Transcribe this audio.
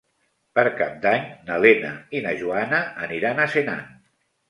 Per Cap d'Any na Lena i na Joana aniran a Senan.